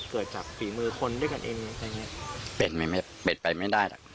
เกิดจากฝีมือคนด้วยกันเองอย่างเงี้ยเป็นไม่ไม่เป็นไปไม่ได้หรอก